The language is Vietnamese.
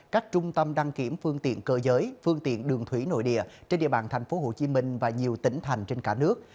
các trung tâm đăng kiểm phương tiện cơ giới phương tiện đường thủy nội địa trên địa bàn tp hcm và nhiều tỉnh thành trên cả nước